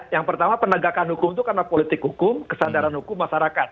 yang pertama penegakan hukum itu karena politik hukum kesadaran hukum masyarakat